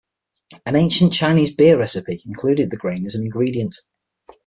An ancient Chinese beer recipe included the grain as an ingredient.